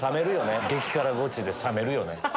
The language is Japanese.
激辛ゴチで冷めるよね。